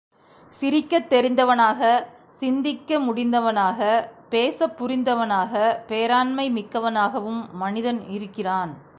சிரிக்கத் தெரிந்தவனாக, சிந்திக்க முடிந்தனவாக, பேசப் புரிந்தவனாக, பேராண்மை மிக்கவனாகவும் மனிதன் இருக்கிறான்.